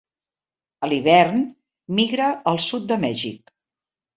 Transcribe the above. A l'hivern, migra al sud de Mèxic.